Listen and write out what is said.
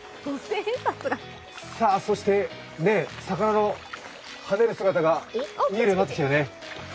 そして魚のはねる姿が見えるようになってきたよね。